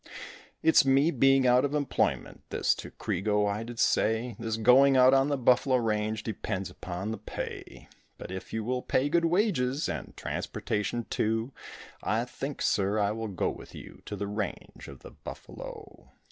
"It's me being out of employment," this to Crego I did say, "This going out on the buffalo range depends upon the pay. But if you will pay good wages and transportation too, I think, sir, I will go with you to the range of the buffalo."